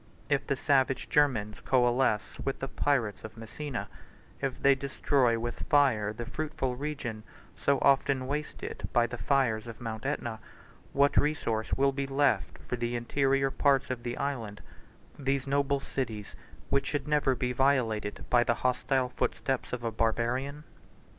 If the savage Germans coalesce with the pirates of Messina; if they destroy with fire the fruitful region, so often wasted by the fires of Mount Aetna, 133 what resource will be left for the interior parts of the island, these noble cities which should never be violated by the hostile footsteps of a Barbarian?